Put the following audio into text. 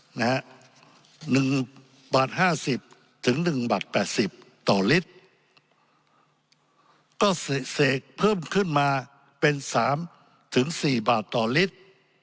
หนึ่งบาทห้าสิบถึงหนึ่งบาทแปดสิบต่อลิตรก็เสกเพิ่มขึ้นมาเป็นสามถึงสี่บาทต่อลิตร